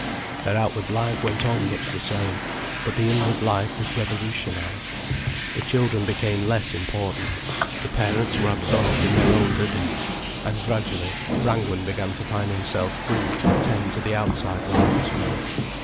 Their outward life went on much the same, but the inward life was revolutionized. The children became less important, the parents were absorbed in their own living. And gradually, Brangwen began to find himself free to attend to the outside life as well.